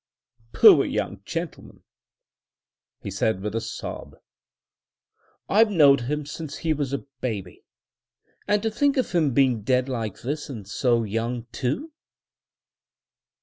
"Poor young gentleman!" he said with a sob. "I've knowed him since he was a baby. And to think of him being dead like this and so young, too!"